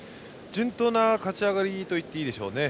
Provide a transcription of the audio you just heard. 順当な勝ち上がりと言っていいでしょうね。